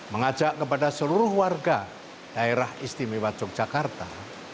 mengajak kepada seluruh warga daerah istimewa yogyakarta